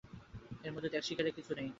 এর মধ্যে ত্যাগস্বীকার কিছুই নেই।